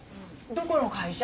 どこの会社？